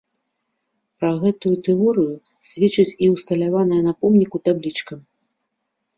Пра гэту тэорыю сведчыць і ўсталяваная на помніку таблічка.